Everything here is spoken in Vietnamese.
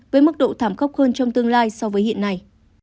với mức độ thảm khốc hơn trong tương lai so với hiện nay